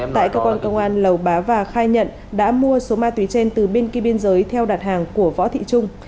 tại cơ quan công an lầu bá và khai nhận đã mua số ma túy trên từ bên kia biên giới theo đặt hàng của võ thị trung